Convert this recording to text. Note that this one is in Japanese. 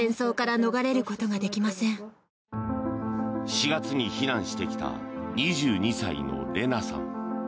４月に避難してきた２２歳のレナさん。